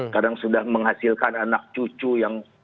kadang sudah menghasilkan anak cucu yang